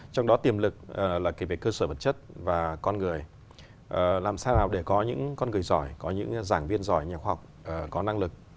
trong đó tiềm lực là về cơ sở vật chất và con người làm sao nào để có những con người giỏi có những giảng viên giỏi nhà khoa học có năng lực